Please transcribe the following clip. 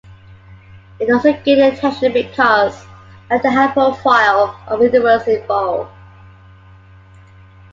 It also gained attention because of the high profile of individuals involved.